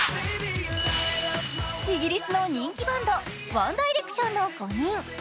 イギリスの人気バンド、ワン・ダイレクションの５人。